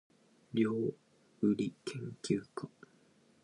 頭が痛いときは寝るのが一番。